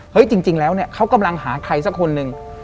เฮ้ยจริงแล้วเขากำลังหาใครสักคนหนึ่ง